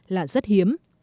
là rất hiếm